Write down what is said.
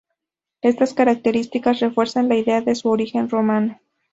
Estas características refuerzan la idea de su origen romano.